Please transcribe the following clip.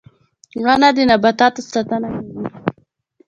• ونه د نباتاتو ساتنه کوي.